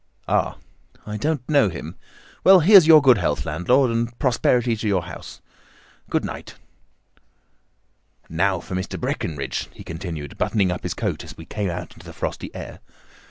"Ah! I don't know him. Well, here's your good health landlord, and prosperity to your house. Good night." "Now for Mr. Breckinridge," he continued, buttoning up his coat as we came out into the frosty air.